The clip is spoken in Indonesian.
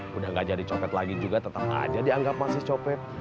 udah gak jadi copet lagi juga tetap aja dianggap masih copet